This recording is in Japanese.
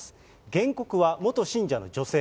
原告は元信者の女性。